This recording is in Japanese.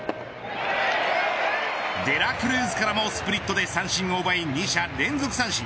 デラクルーズからもスプリットで三振を奪い２者連続三振。